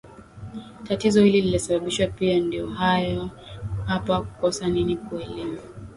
tatizo hili linasababishwa pia ndio haya hapa kukosa nini kukosa elimu